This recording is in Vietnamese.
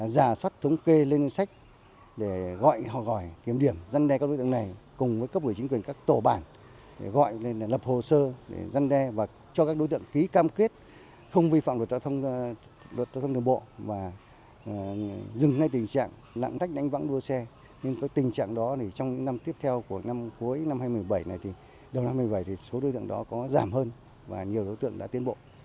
đầu năm hai nghìn một mươi bảy số đối tượng đó có giảm hơn và nhiều đối tượng đã tiến bộ